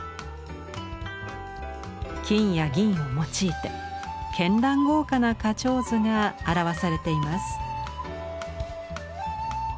金や銀を用いて絢爛豪華な花鳥図が表されています。